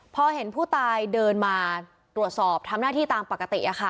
พอเห็นผู้ตายเดินมาตรวจสอบทำหน้าที่ตามปกติ